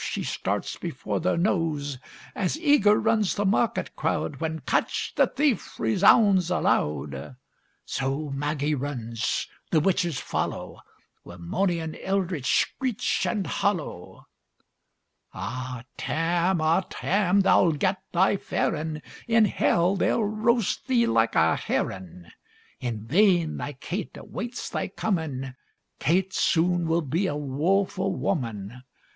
she starts before their nose; As eager runs the market crowd, When "Catch the thief!" resounds aloud; So Maggie runs, the witches follow, Wi' mony an eldritch screech and hollow. Ah, Tam! ah, Tam, thou'll get thy fairin'! In hell they'll roast thee like a herrin'! In vain thy Kate awaits thy comin'! Kate soon will be a woefu' woman!